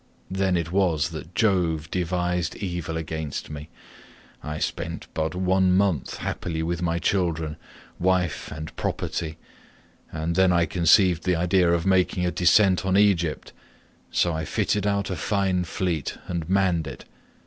Then it was that Jove devised evil against me. I spent but one month happily with my children, wife, and property, and then I conceived the idea of making a descent on Egypt, so I fitted out a fine fleet and manned it.